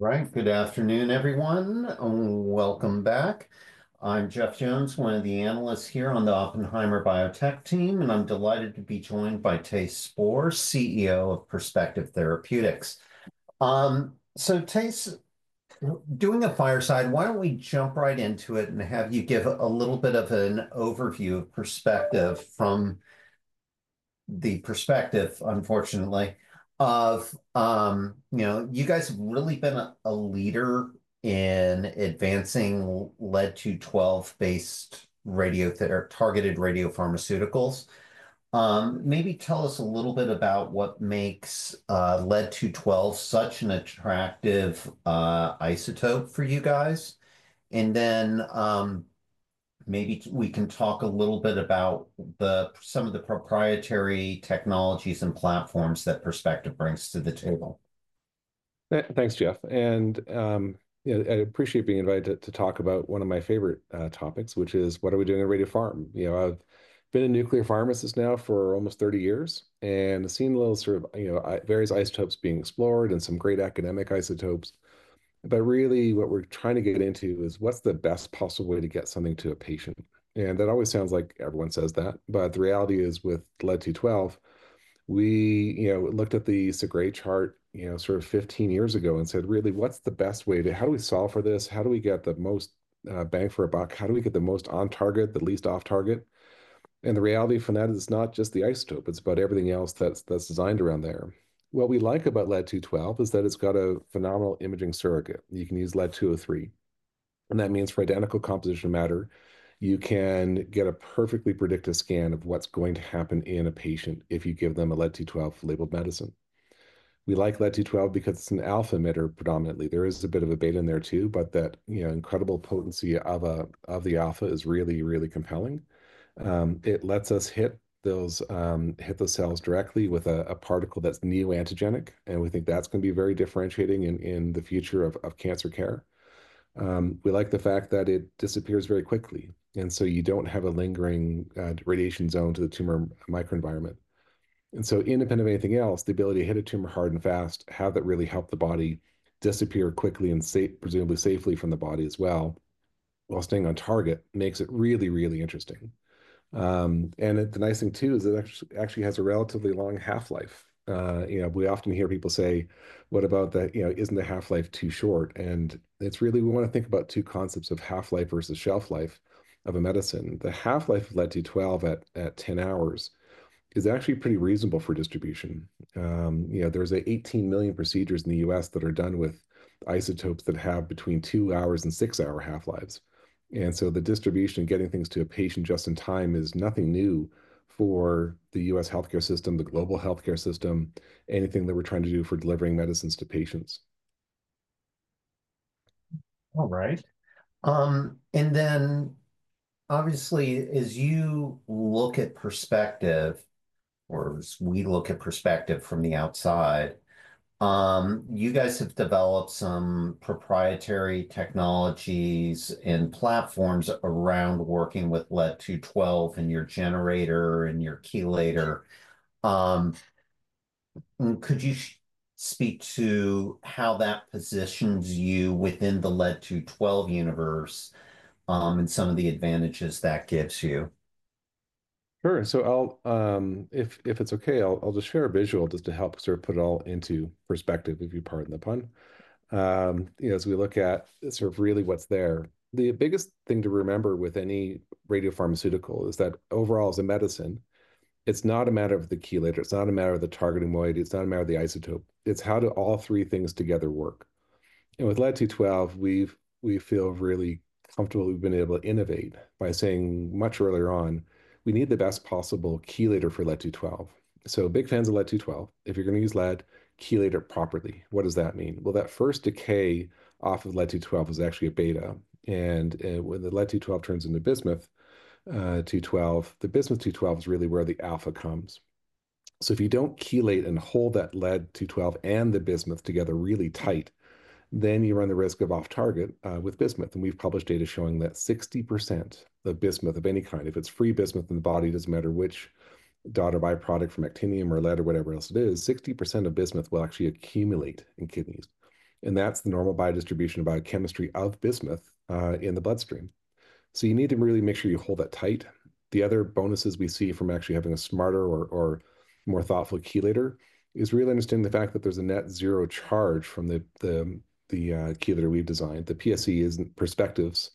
Right. Good afternoon, everyone, and welcome back. I'm Jeff Jones, one of the analysts here on the Oppenheimer Biotech team, and I'm delighted to be joined by Thijs Spoor, CEO of Perspective Therapeutics. Thijs, doing a fireside, why don't we jump right into it and have you give a little bit of an overview of Perspective from the perspective, unfortunately, of, you know, you guys have really been a leader in advancing lead-212-based targeted radiopharmaceuticals. Maybe tell us a little bit about what makes lead-212 such an attractive isotope for you guys. And then maybe we can talk a little bit about some of the proprietary technologies and platforms that Perspective brings to the table. Thanks, Jeff. I appreciate being invited to talk about one of my favorite topics, which is, what are we doing at Perspective Therapeutics? You know, I've been a nuclear pharmacist now for almost 30 years and seen a little sort of, you know, various isotopes being explored and some great academic isotopes. Really what we're trying to get into is what's the best possible way to get something to a patient. That always sounds like everyone says that. The reality is with lead-212, we, you know, looked at the SEGRE chart, you know, sort of 15 years ago and said, really, what's the best way to, how do we solve for this? How do we get the most bang for our buck? How do we get the most on target, the least off target? The reality from that is it's not just the isotope, it's about everything else that's designed around there. What we like about lead-212 is that it's got a phenomenal imaging surrogate. You can use lead-203. That means for identical composition matter, you can get a perfectly predictive scan of what's going to happen in a patient if you give them a lead-212 labeled medicine. We like lead-212 because it's an alpha emitter predominantly. There is a bit of a beta in there too, but that, you know, incredible potency of the alpha is really, really compelling. It lets us hit those cells directly with a particle that's neoantigen. We think that's going to be very differentiating in the future of cancer care. We like the fact that it disappears very quickly. You don't have a lingering radiation zone to the tumor microenvironment. Independent of anything else, the ability to hit a tumor hard and fast, how that really helped the body disappear quickly and presumably safely from the body as well while staying on target makes it really, really interesting. The nice thing too is it actually has a relatively long half-life. You know, we often hear people say, what about the, you know, isn't the half-life too short? It's really, we want to think about two concepts of half-life versus shelf life of a medicine. The half-life of lead-212 at 10 hours is actually pretty reasonable for distribution. You know, there are 18 million procedures in the U.S. that are done with isotopes that have between 2 hours and 6-hour half-lives. The distribution and getting things to a patient just in time is nothing new for the US healthcare system, the global healthcare system, anything that we're trying to do for delivering medicines to patients. All right. Obviously, as you look at Perspective, or as we look at Perspective from the outside, you guys have developed some proprietary technologies and platforms around working with lead-212 and your generator and your chelator. Could you speak to how that positions you within the lead-212 universe and some of the advantages that gives you? Sure. I'll, if it's okay, just share a visual just to help sort of put it all into perspective, if you pardon the pun. You know, as we look at sort of really what's there, the biggest thing to remember with any radiopharmaceutical is that overall as a medicine, it's not a matter of the chelator, it's not a matter of the targeting moiety, it's not a matter of the isotope. It's how do all three things together work. With lead-212, we feel really comfortable that we've been able to innovate by saying much earlier on, we need the best possible chelator for lead-212. Big fans of lead-212, if you're going to use lead, chelate it properly. What does that mean? That first decay off of lead-212 is actually a beta. When the lead-212 turns into bismuth-212, the bismuth-212 is really where the alpha comes. If you do not chelate and hold that lead-212 and the bismuth together really tight, then you run the risk of off target with bismuth. We have published data showing that 60% of bismuth of any kind, if it is free bismuth in the body, it does not matter which daughter byproduct from actinium or lead or whatever else it is, 60% of bismuth will actually accumulate in kidneys. That is the normal biodistribution biochemistry of bismuth in the bloodstream. You need to really make sure you hold that tight. The other bonuses we see from actually having a smarter or more thoughtful chelator is really understanding the fact that there is a net zero charge from the chelator we have designed. The PSC is not Perspective's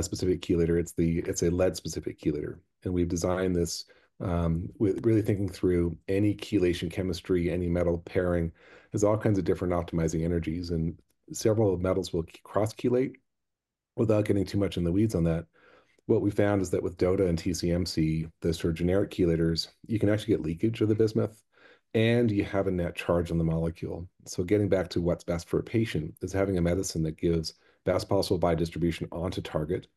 specific chelator. It is a lead-specific chelator. We've designed this with really thinking through any chelation chemistry, any metal pairing, there's all kinds of different optimizing energies and several metals will cross-chelate without getting too much in the weeds on that. What we found is that with DOTA and TCMC, the sort of generic chelators, you can actually get leakage of the bismuth and you have a net charge on the molecule. Getting back to what's best for a patient is having a medicine that gives best possible biodistribution onto target.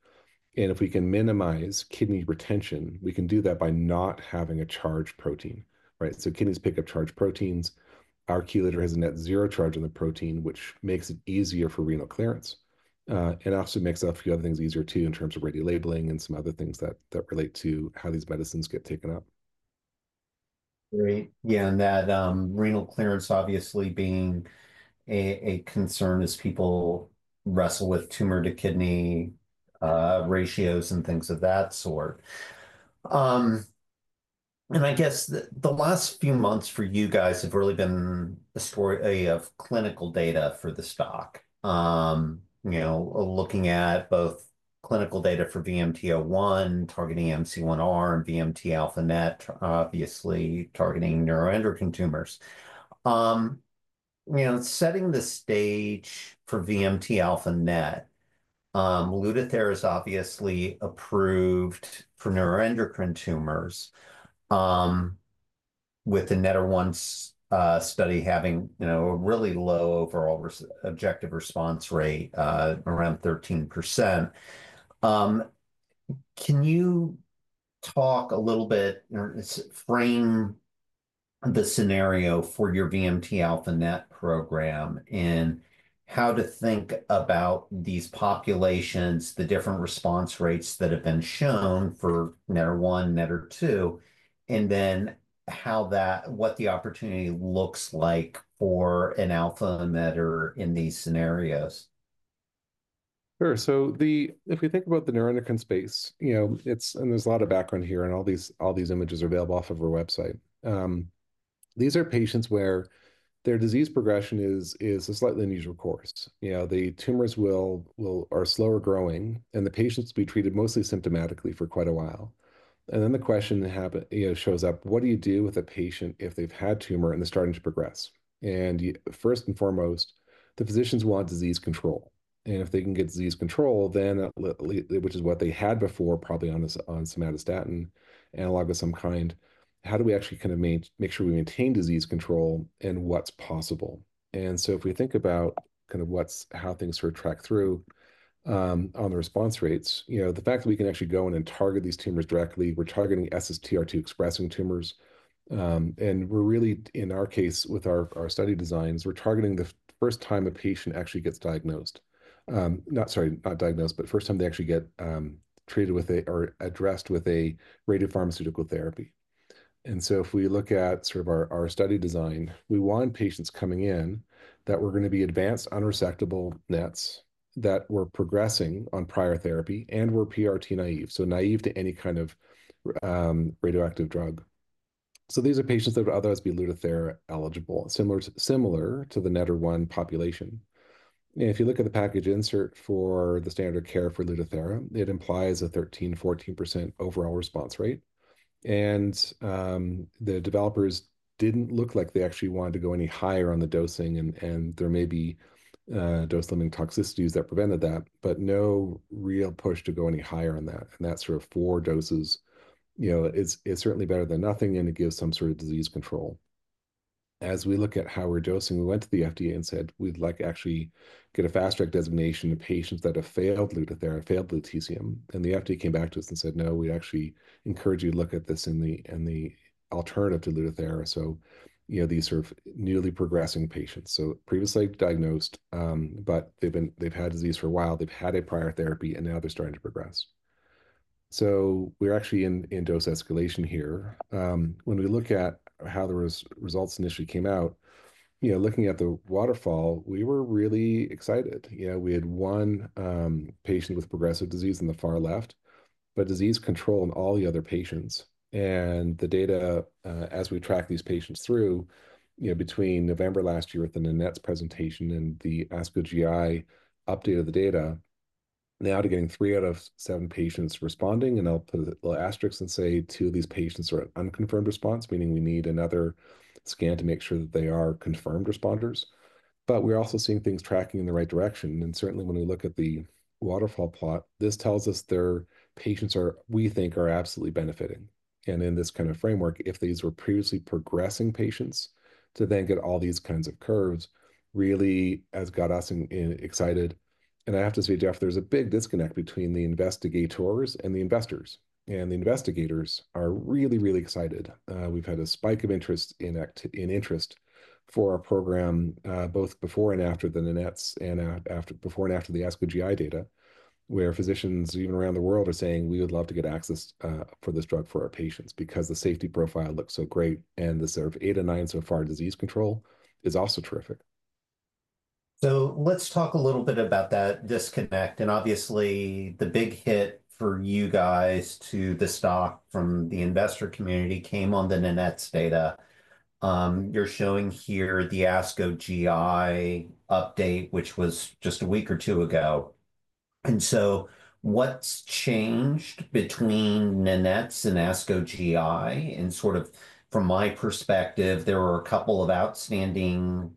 If we can minimize kidney retention, we can do that by not having a charged protein, right? Kidneys pick up charged proteins. Our chelator has a net zero charge on the protein, which makes it easier for renal clearance. It also makes a few other things easier too in terms of radiolabeling and some other things that relate to how these medicines get taken up. Great. Yeah. That renal clearance obviously being a concern as people wrestle with tumor to kidney ratios and things of that sort. I guess the last few months for you guys have really been a story of clinical data for the stock. You know, looking at both clinical data for VMT-01 targeting MC1R and VMT-α-NET, obviously targeting neuroendocrine tumors. You know, setting the stage for VMT-α-NET, Lutathera is obviously approved for neuroendocrine tumors with the NETTER-1 study having, you know, a really low overall objective response rate, around 13%. Can you talk a little bit or frame the scenario for your VMT-α-NET program and how to think about these populations, the different response rates that have been shown for NETTER-1, NETTER-2, and then what the opportunity looks like for an alpha emitter in these scenarios? Sure. If we think about the neuroendocrine space, you know, it's, and there's a lot of background here and all these images are available off of our website. These are patients where their disease progression is a slightly unusual course. You know, the tumors are slower growing and the patients will be treated mostly symptomatically for quite a while. The question that shows up, what do you do with a patient if they've had tumor and they're starting to progress? First and foremost, the physicians want disease control. If they can get disease control, then which is what they had before probably on some somatostatin analog of some kind, how do we actually kind of make sure we maintain disease control and what's possible? If we think about kind of how things sort of track through on the response rates, you know, the fact that we can actually go in and target these tumors directly, we're targeting SSTR2 expressing tumors. We're really, in our case with our study designs, targeting the first time a patient actually gets treated with or addressed with a radiopharmaceutical therapy. If we look at sort of our study design, we want patients coming in that are going to be advanced unresectable NETs that were progressing on prior therapy and were PRRT naive, so naive to any kind of radioactive drug. These are patients that would otherwise be Lutathera eligible, similar to the NETTER-1 population. If you look at the package insert for the standard of care for Lutathera, it implies a 13-14% overall response rate. The developers did not look like they actually wanted to go any higher on the dosing and there may be dose-limiting toxicities that prevented that, but no real push to go any higher on that. That sort of four doses, you know, it is certainly better than nothing and it gives some sort of disease control. As we look at how we are dosing, we went to the FDA and said, we would like to actually get a fast-track designation to patients that have failed Lutathera, failed lutetium. The FDA came back to us and said, no, we would actually encourage you to look at this in the alternative to Lutathera. You know, these sort of newly progressing patients, so previously diagnosed, but they've had disease for a while, they've had a prior therapy and now they're starting to progress. We're actually in dose escalation here. When we look at how the results initially came out, you know, looking at the waterfall, we were really excited. You know, we had one patient with progressive disease in the far left, but disease control in all the other patients. The data, as we track these patients through, you know, between November last year with the NETs presentation and the ASCO GI update of the data, now they're getting three out of seven patients responding and they'll put little asterisks and say two of these patients are at unconfirmed response, meaning we need another scan to make sure that they are confirmed responders. We're also seeing things tracking in the right direction. Certainly when we look at the waterfall plot, this tells us their patients are, we think are absolutely benefiting. In this kind of framework, if these were previously progressing patients to then get all these kinds of curves, really has got us excited. I have to say, Jeff, there's a big disconnect between the investigators and the investors. The investigators are really, really excited. We've had a spike of interest in interest for our program, both before and after the NETs and after, before and after the ASCO GI data, where physicians even around the world are saying, we would love to get access for this drug for our patients because the safety profile looks so great and the sort of eight and nine so far disease control is also terrific. Let's talk a little bit about that disconnect. Obviously the big hit for you guys to the stock from the investor community came on the NETs data. You're showing here the ASCO GI update, which was just a week or two ago. What's changed between NETs and ASCO GI? From my perspective, there were a couple of outstanding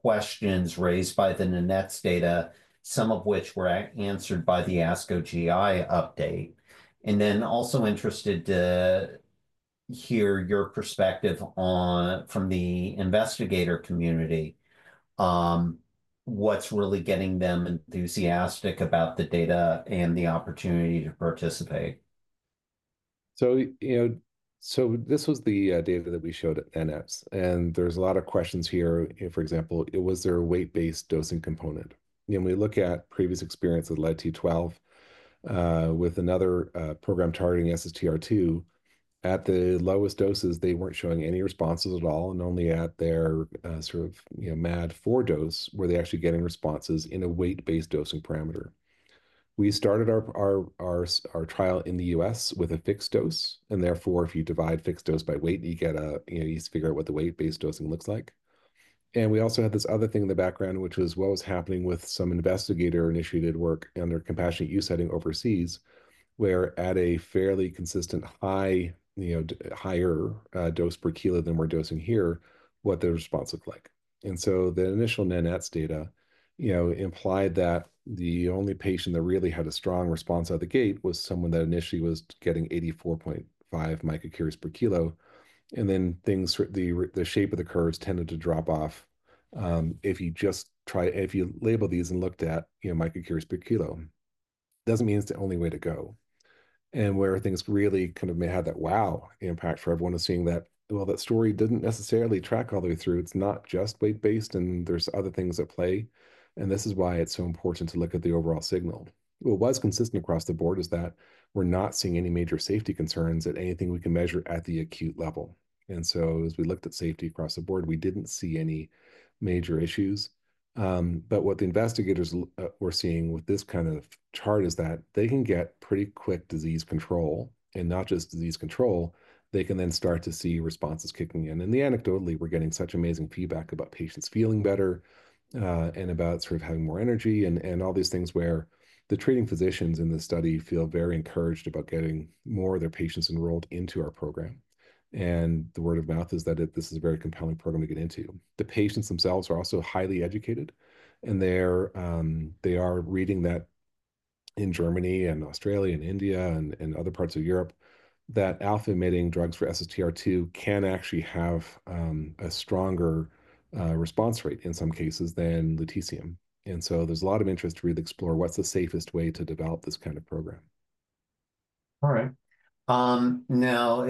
questions raised by the NETs data, some of which were answered by the ASCO GI update. Also interested to hear your perspective from the investigator community, what's really getting them enthusiastic about the data and the opportunity to participate? You know, this was the data that we showed at NETs. There's a lot of questions here. For example, was there a weight-based dosing component? We look at previous experience of lead-212 with another program targeting SSTR2. At the lowest doses, they were not showing any responses at all and only at their sort of, you know, MAD-4 dose were they actually getting responses in a weight-based dosing parameter. We started our trial in the U.S. with a fixed dose. Therefore, if you divide fixed dose by weight, you get a, you know, you need to figure out what the weight-based dosing looks like. We also had this other thing in the background, which was what was happening with some investigator-initiated work and their compassionate use setting overseas, where at a fairly consistent high, you know, higher dose per kilo than we're dosing here, what their response looked like. The initial NETs data, you know, implied that the only patient that really had a strong response out of the gate was someone that initially was getting 84.5 micro curies per kilo. Then things, the shape of the curves tended to drop off if you just try, if you label these and looked at, you know, micro curies per kilo. Doesn't mean it's the only way to go. Where things really kind of may have that wow impact for everyone is seeing that, well, that story didn't necessarily track all the way through. It's not just weight-based and there's other things at play. This is why it's so important to look at the overall signal. What was consistent across the board is that we're not seeing any major safety concerns at anything we can measure at the acute level. As we looked at safety across the board, we didn't see any major issues. What the investigators were seeing with this kind of chart is that they can get pretty quick disease control and not just disease control, they can then start to see responses kicking in. Anecdotally, we're getting such amazing feedback about patients feeling better and about sort of having more energy and all these things where the treating physicians in the study feel very encouraged about getting more of their patients enrolled into our program. The word of mouth is that this is a very compelling program to get into. The patients themselves are also highly educated and they're reading that in Germany and Australia and India and other parts of Europe that alpha-emitting drugs for SSTR2 can actually have a stronger response rate in some cases than lutetium. There is a lot of interest to really explore what's the safest way to develop this kind of program. All right. Now,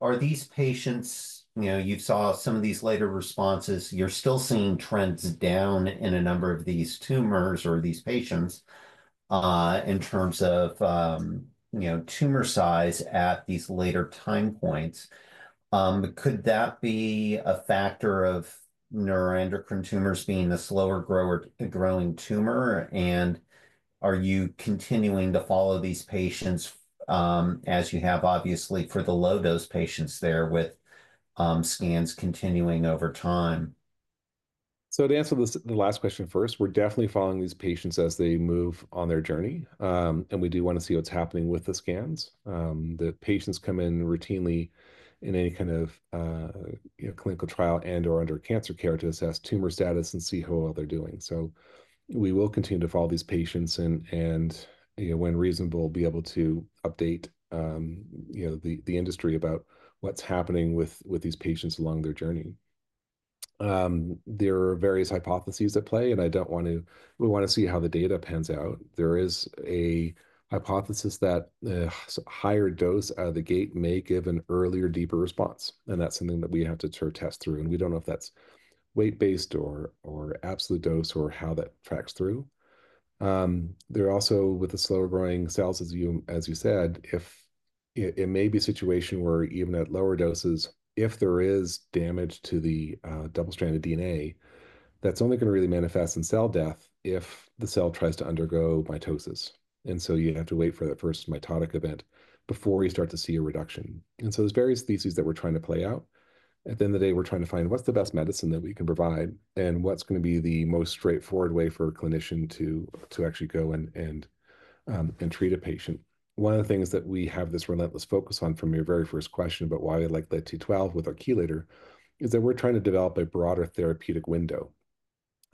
are these patients, you know, you saw some of these later responses, you're still seeing trends down in a number of these tumors or these patients in terms of, you know, tumor size at these later time points. Could that be a factor of neuroendocrine tumors being a slower growing tumor? Are you continuing to follow these patients as you have obviously for the low-dose patients there with scans continuing over time? To answer the last question first, we're definitely following these patients as they move on their journey. We do want to see what's happening with the scans. The patients come in routinely in any kind of, you know, clinical trial and/or under cancer care to assess tumor status and see how well they're doing. We will continue to follow these patients and, you know, when reasonable, be able to update, you know, the industry about what's happening with these patients along their journey. There are various hypotheses at play and I don't want to, we want to see how the data pans out. There is a hypothesis that a higher dose out of the gate may give an earlier deeper response. That's something that we have to sort of test through. We don't know if that's weight-based or absolute dose or how that tracks through. There are also, with the slower growing cells, as you said, it may be a situation where even at lower doses, if there is damage to the double-stranded DNA, that's only going to really manifest in cell death if the cell tries to undergo mitosis. You have to wait for that first mitotic event before you start to see a reduction. There are various theses that we're trying to play out. At the end of the day, we're trying to find what's the best medicine that we can provide and what's going to be the most straightforward way for a clinician to actually go and treat a patient. One of the things that we have this relentless focus on from your very first question about why we like Lutathera with our chelator is that we're trying to develop a broader therapeutic window.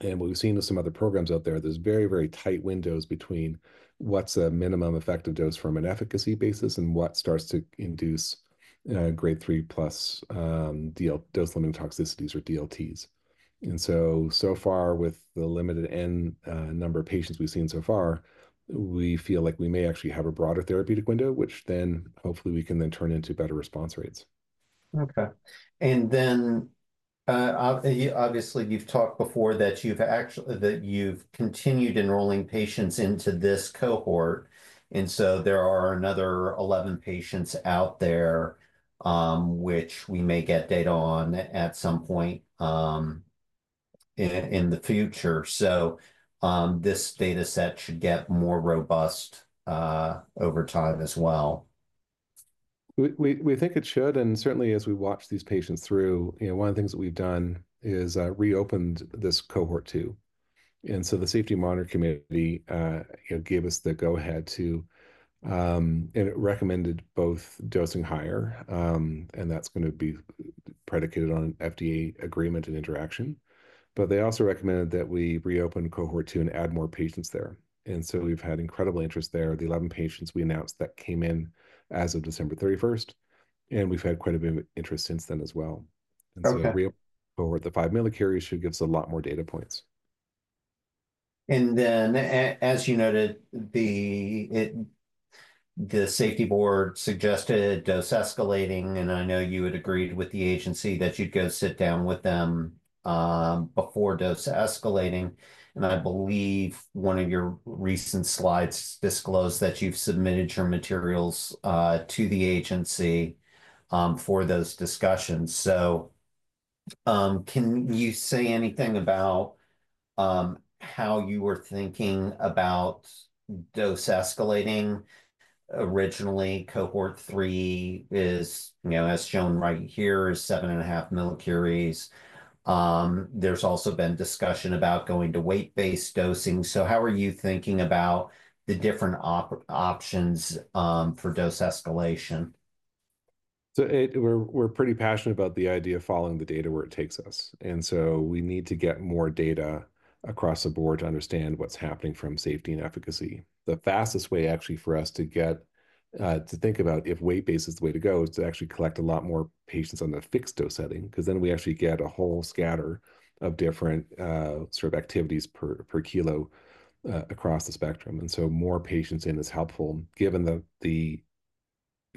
What we've seen with some other programs out there, there's very, very tight windows between what's a minimum effective dose from an efficacy basis and what starts to induce grade three plus dose-limiting toxicities or DLTs. So far with the limited number of patients we've seen so far, we feel like we may actually have a broader therapeutic window, which then hopefully we can then turn into better response rates. Okay. Obviously you've talked before that you've actually, that you've continued enrolling patients into this cohort. There are another 11 patients out there, which we may get data on at some point in the future. This data set should get more robust over time as well. We think it should. And certainly as we watch these patients through, you know, one of the things that we've done is reopened this cohort two. The safety monitor committee, you know, gave us the go-ahead to and recommended both dosing higher. That's going to be predicated on FDA agreement and interaction. They also recommended that we reopen cohort two and add more patients there. We've had incredible interest there. The 11 patients we announced that came in as of December 31st. We've had quite a bit of interest since then as well. Reopening cohort, the 5 mCi should give us a lot more data points. As you noted, the safety board suggested dose escalating. I know you had agreed with the agency that you'd go sit down with them before dose escalating. I believe one of your recent slides disclosed that you've submitted your materials to the agency for those discussions. Can you say anything about how you were thinking about dose escalating originally? Cohort three is, you know, as shown right here, is 7.5 mCi. There's also been discussion about going to weight-based dosing. How are you thinking about the different options for dose escalation? We're pretty passionate about the idea of following the data where it takes us. We need to get more data across the board to understand what's happening from safety and efficacy. The fastest way actually for us to get to think about if weight-based is the way to go is to actually collect a lot more patients on the fixed dose setting because then we actually get a whole scatter of different sort of activities per kilo across the spectrum. More patients in is helpful given that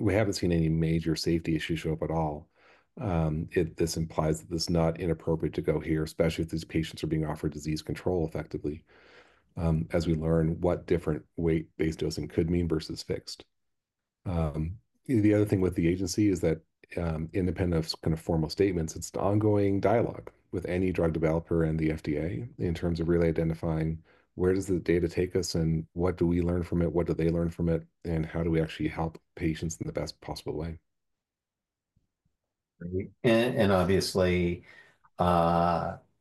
we haven't seen any major safety issues show up at all. This implies that it's not inappropriate to go here, especially if these patients are being offered disease control effectively as we learn what different weight-based dosing could mean versus fixed. The other thing with the agency is that independent of kind of formal statements, it's an ongoing dialogue with any drug developer and the FDA in terms of really identifying where does the data take us and what do we learn from it, what do they learn from it, and how do we actually help patients in the best possible way. Obviously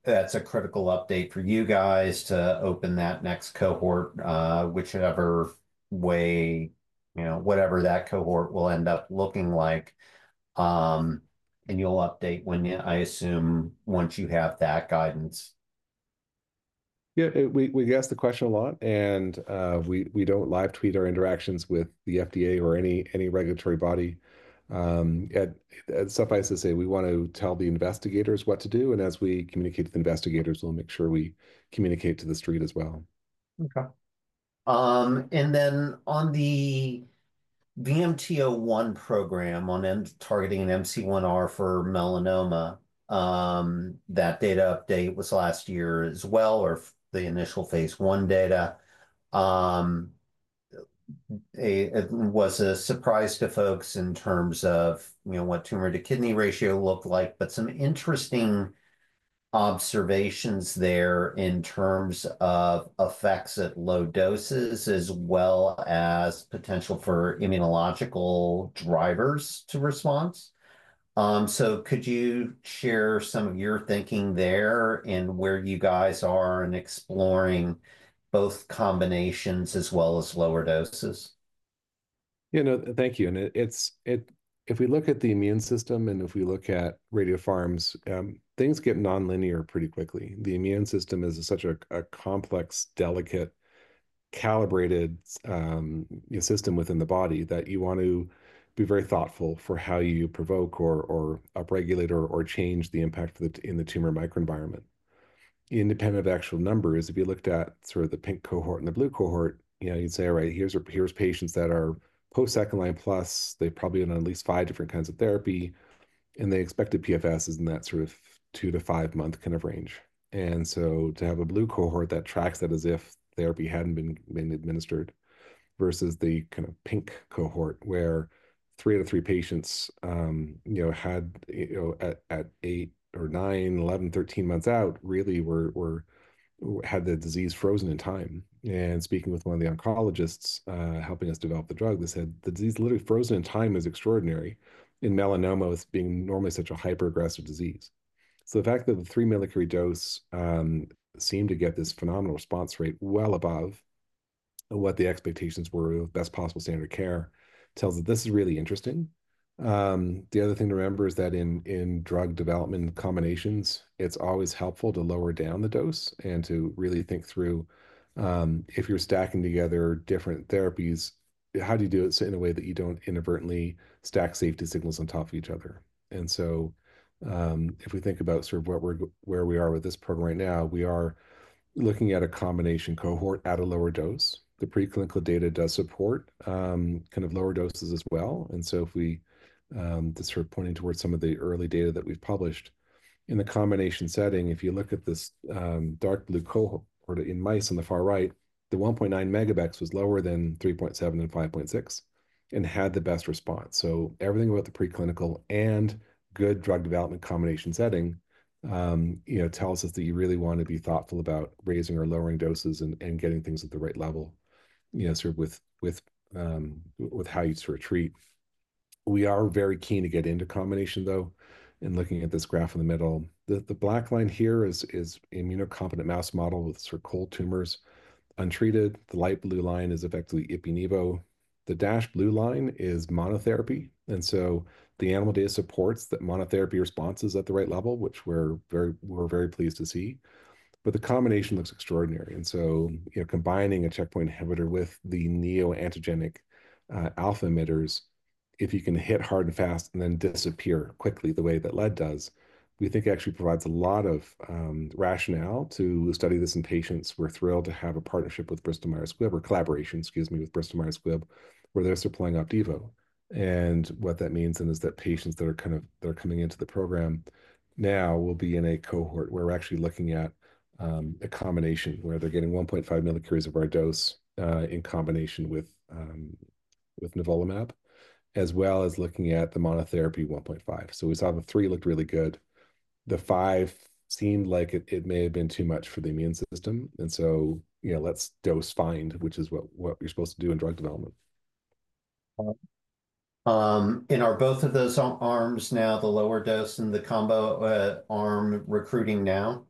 that's a critical update for you guys to open that next cohort, whichever way, you know, whatever that cohort will end up looking like. You'll update when, I assume, once you have that guidance. Yeah, we ask the question a lot and we do not live tweet our interactions with the FDA or any regulatory body. Suffice to say, we want to tell the investigators what to do. As we communicate with investigators, we will make sure we communicate to the street as well. Okay. And then on the VMT-01 program on targeting MC1R for melanoma, that data update was last year as well or the initial phase one data. It was a surprise to folks in terms of, you know, what tumor to kidney ratio looked like, but some interesting observations there in terms of effects at low doses as well as potential for immunological drivers to response. Could you share some of your thinking there and where you guys are in exploring both combinations as well as lower doses? You know, thank you. If we look at the immune system and if we look at radiopharms, things get non-linear pretty quickly. The immune system is such a complex, delicate, calibrated system within the body that you want to be very thoughtful for how you provoke or upregulate or change the impact in the tumor microenvironment. Independent of actual numbers, if you looked at sort of the pink cohort and the blue cohort, you know, you'd say, all right, here's patients that are post-second line plus, they probably are on at least five different kinds of therapy and the expected PFS is in that sort of 2 to 5 month kind of range. To have a blue cohort that tracks that as if therapy hadn't been administered versus the kind of pink cohort where 3 out of 3 patients, you know, had, you know, at 8 or 9, 11, 13 months out, really had the disease frozen in time. Speaking with one of the oncologists helping us develop the drug, they said the disease literally frozen in time is extraordinary in melanoma as being normally such a hyper-aggressive disease. The fact that the 3 mCi dose seemed to get this phenomenal response rate well above what the expectations were of best possible standard of care tells that this is really interesting. The other thing to remember is that in drug development combinations, it's always helpful to lower down the dose and to really think through if you're stacking together different therapies, how do you do it so in a way that you don't inadvertently stack safety signals on top of each other? If we think about sort of where we are with this program right now, we are looking at a combination cohort at a lower dose. The preclinical data does support kind of lower doses as well. If we, this sort of pointing towards some of the early data that we've published in the combination setting, if you look at this dark blue cohort in mice on the far right, the 1.9 MB was lower than 3.7 and 5.6 and had the best response. Everything about the preclinical and good drug development combination setting, you know, tells us that you really want to be thoughtful about raising or lowering doses and getting things at the right level, you know, sort of with how you sort of treat. We are very keen to get into combination though. Looking at this graph in the middle, the black line here is immunocompetent mouse model with sort of cold tumors untreated. The light blue line is effectively Ipi-Nivo. The dashed blue line is monotherapy. The animal data supports that monotherapy response is at the right level, which we're very pleased to see. The combination looks extraordinary. You know, combining a checkpoint inhibitor with the neoantigenic alpha emitters, if you can hit hard and fast and then disappear quickly the way that lead does, we think actually provides a lot of rationale to study this in patients. We're thrilled to have a partnership with Bristol Myers Squibb, or collaboration, excuse me, with Bristol Myers Squibb, where they're supplying Opdivo. What that means then is that patients that are coming into the program now will be in a cohort where we're actually looking at a combination where they're getting 1.5 mCi of our dose in combination with nivolumab, as well as looking at the monotherapy 1.5. We saw the three looked really good. The five seemed like it may have been too much for the immune system. You know, let's dose find, which is what you're supposed to do in drug development. Are both of those arms now, the lower dose and the combo arm, recruiting now?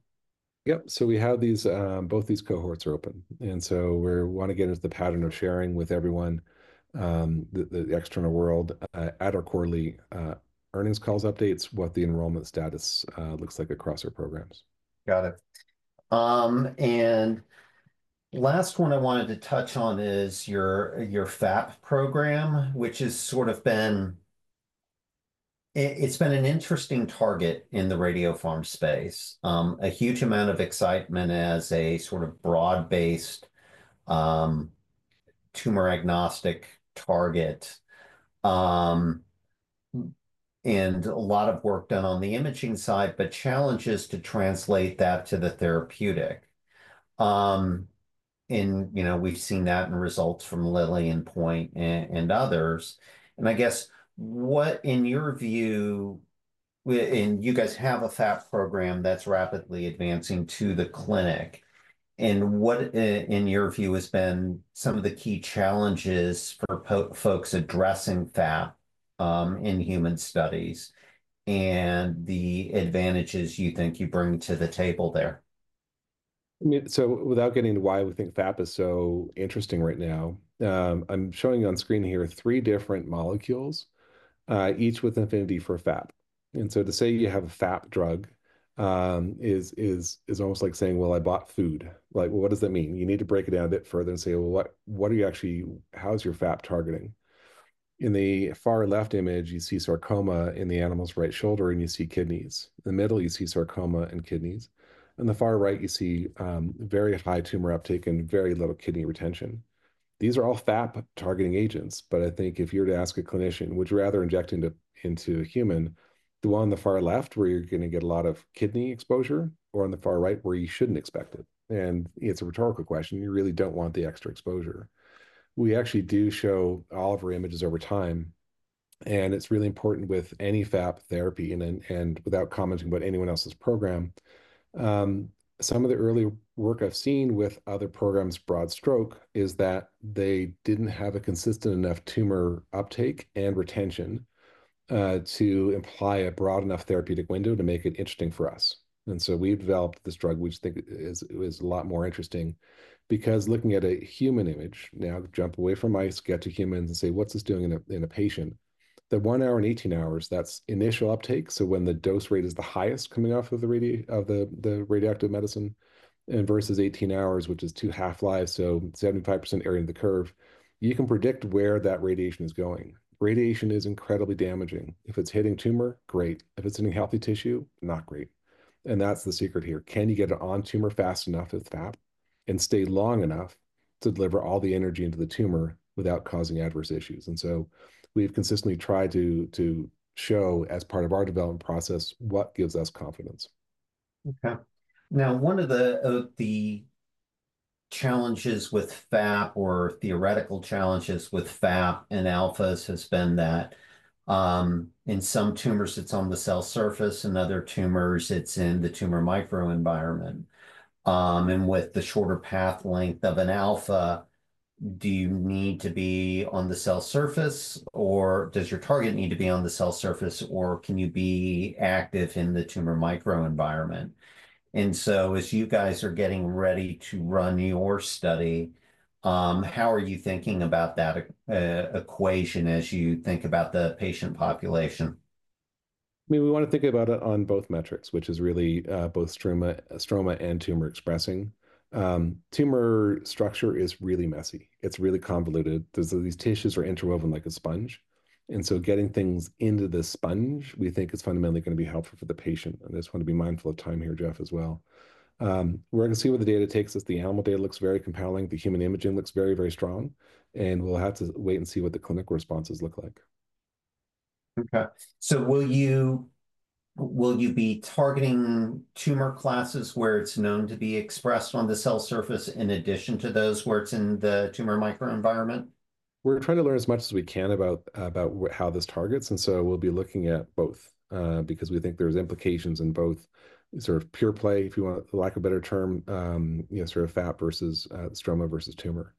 Yep. We have these, both these cohorts are open. We want to get into the pattern of sharing with everyone, the external world at our quarterly earnings calls updates, what the enrollment status looks like across our programs. Got it. Last one I wanted to touch on is your FAP program, which has sort of been, it's been an interesting target in the radio farm space. A huge amount of excitement as a sort of broad-based tumor agnostic target. A lot of work done on the imaging side, but challenges to translate that to the therapeutic. You know, we've seen that in results from Lilly and Point and others. I guess what in your view, and you guys have a FAP program that's rapidly advancing to the clinic. What in your view has been some of the key challenges for folks addressing FAP in human studies and the advantages you think you bring to the table there? Without getting into why we think FAP is so interesting right now, I'm showing you on screen here three different molecules, each with an affinity for FAP. To say you have a FAP drug is almost like saying, like, I bought food. What does that mean? You need to break it down a bit further and say, like, what are you actually, how is your FAP targeting? In the far left image, you see sarcoma in the animal's right shoulder and you see kidneys. In the middle, you see sarcoma and kidneys. In the far right, you see very high tumor uptake and very little kidney retention. These are all FAP targeting agents, but I think if you were to ask a clinician, would you rather inject into a human, the one on the far left where you're going to get a lot of kidney exposure or on the far right where you shouldn't expect it? It's a rhetorical question. You really don't want the extra exposure. We actually do show all of our images over time. It's really important with any FAP therapy and without commenting about anyone else's program. Some of the early work I've seen with other programs, broad stroke, is that they didn't have a consistent enough tumor uptake and retention to imply a broad enough therapeutic window to make it interesting for us. We have developed this drug, which I think is a lot more interesting because looking at a human image, now jump away from mice, get to humans and say, what's this doing in a patient? The 1 hour and 18 hours, that's initial uptake. When the dose rate is the highest coming off of the radioactive medicine and versus 18 hours, which is two half-lives, so 75% area of the curve, you can predict where that radiation is going. Radiation is incredibly damaging. If it's hitting tumor, great. If it's hitting healthy tissue, not great. That's the secret here. Can you get it on tumor fast enough as FAP and stay long enough to deliver all the energy into the tumor without causing adverse issues? We have consistently tried to show as part of our development process what gives us confidence. Okay. Now, one of the challenges with FAP or theoretical challenges with FAP and alphas has been that in some tumors, it's on the cell surface and other tumors, it's in the tumor microenvironment. With the shorter path length of an alpha, do you need to be on the cell surface or does your target need to be on the cell surface or can you be active in the tumor microenvironment? As you guys are getting ready to run your study, how are you thinking about that equation as you think about the patient population? I mean, we want to think about it on both metrics, which is really both stroma and tumor expressing. Tumor structure is really messy. It is really convoluted. These tissues are interwoven like a sponge. Getting things into the sponge, we think, is fundamentally going to be helpful for the patient. I just want to be mindful of time here, Jeff, as well. We are going to see what the data takes us. The animal data looks very compelling. The human imaging looks very, very strong. We will have to wait and see what the clinical responses look like. Okay. So will you be targeting tumor classes where it's known to be expressed on the cell surface in addition to those where it's in the tumor microenvironment? We're trying to learn as much as we can about how this targets. We'll be looking at both because we think there's implications in both, sort of pure play, if you want to lack a better term, you know, sort of FAP versus stroma versus tumor.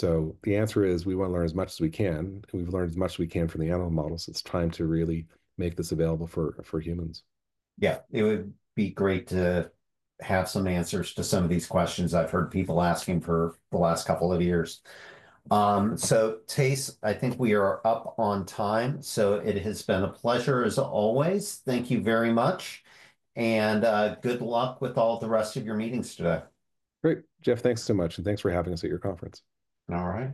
The answer is we want to learn as much as we can. We've learned as much as we can from the animal models. It's time to really make this available for humans. Yeah, it would be great to have some answers to some of these questions I've heard people asking for the last 2 of years. Thijs, I think we are up on time. It has been a pleasure as always. Thank you very much. Good luck with all the rest of your meetings today. Great. Jeff, thanks so much. Thanks for having us at your conference. All right.